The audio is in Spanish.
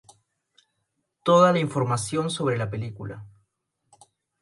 Toda la información sobre la película